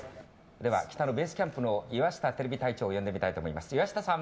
では、北のベースキャンプの岩下テレビ隊長を呼んでみたいと思います。